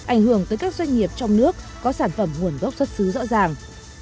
ảnh hưởng tới các doanh nghiệp trong nước có sản phẩm nguồn gốc xuất xứ rõ ràng